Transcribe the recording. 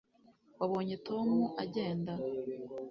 wabonye tom agenda